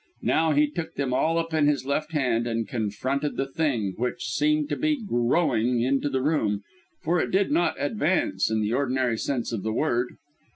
Now he took them all up in his left hand, and confronted the Thing which seemed to be growing into the room for it did not advance in the ordinary sense of the word.